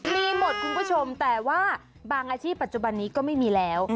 มีหมดคุณผู้ชมแต่ว่าบางอาชีพปัจจุบันนี้ก็ไม่มีแล้ว